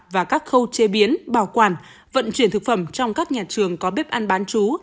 và các khâu chế biến bảo quản vận chuyển thực phẩm trong các nhà trường có bếp ăn bán chú